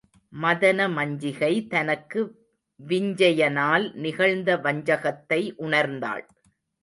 மதனமஞ்சிகை தனக்கு விஞ்சையனால் நிகழ்ந்த வஞ்சகத்தை உணர்ந்தாள்.